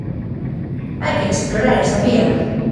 Hai que explorar esa vía.